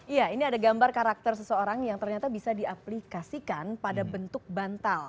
iya ini ada gambar karakter seseorang yang ternyata bisa diaplikasikan pada bentuk bantal